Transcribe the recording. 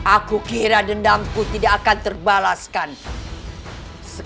aku harus jauh dari sini